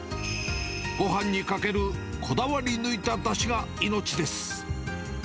ごはんにかけるこだわり抜いただしが命です。